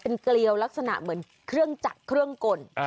เกลียวลักษณะเหมือนเครื่องจักรเครื่องกล